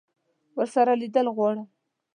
ورسره لیدل غواړم.